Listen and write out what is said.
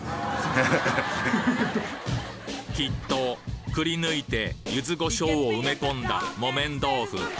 きっとくり抜いてゆず胡椒を埋め込んだ木綿豆腐